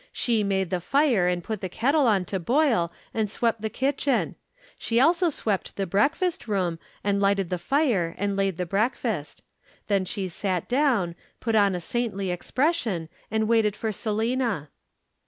She made the fire and put the kettle on to boil and swept the kitchen. She also swept the breakfast room and lighted the fire and laid the breakfast. Then she sat down, put on a saintly expression and waited for Selina.